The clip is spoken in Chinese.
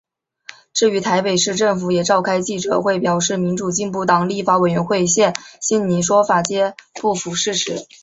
至于台北市政府也召开记者会表示民主进步党立法委员谢欣霓说法皆不符事实。